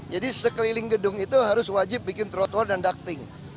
jadi sekeliling gedung itu harus wajib bikin trotoar dan ducting